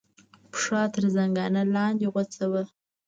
پښه تر زنګانه لاندې غوڅه وه.